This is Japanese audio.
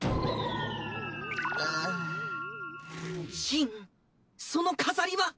シンその飾りは？